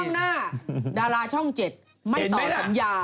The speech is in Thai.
ช่วงหน้าดาราช่อง๗ไม่ตอบสัญญา